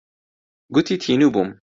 گوتی تینوو بووم.